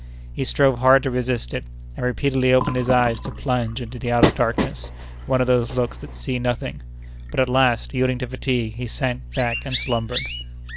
He strove hard to resist it, and repeatedly opened his eyes to plunge into the outer darkness one of those looks that see nothing; but at last, yielding to fatigue, he sank back and slumbered.